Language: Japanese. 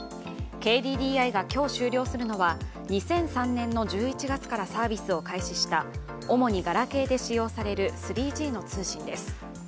ＫＤＤＩが今日終了するのは２００３年の１１月からサービスを開始した主にガラケーで使用される３Ｇの通信です。